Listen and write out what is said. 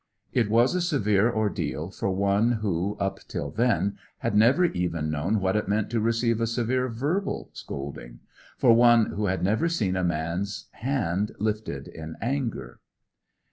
It was a severe ordeal for one who, up till then, had never even known what it meant to receive a severe verbal scolding; for one who had never seen a man's hand lifted in anger.